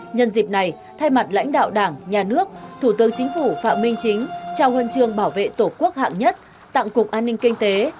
nhân dịp này thay mặt lãnh đạo đảng nhà nước thủ tướng chính phủ phạm minh chính trao huân trường bảo vệ tổ quốc hạng nhất tặng cục an ninh kinh tế